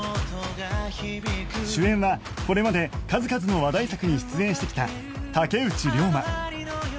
主演はこれまで数々の話題作に出演してきた竹内涼真